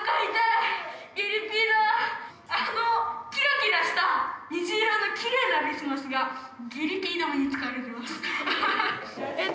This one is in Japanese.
あのキラキラした虹色のきれいなビスマスが下痢ピー止めに使われてますアハハッ。